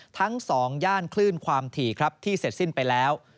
ทั้ง๒ย่านคลื่นความถี่ครับที่เสร็จสิ้นไปแล้ว